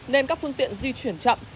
nên các phương tiện di chuyển chậm